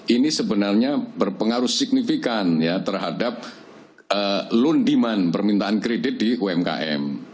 ini sebenarnya berpengaruh signifikan ya terhadap loan demand permintaan kredit di umkm